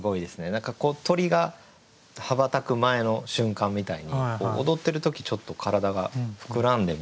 何か鳥が羽ばたく前の瞬間みたいに踊ってる時ちょっと体が膨らんで見えるっていう。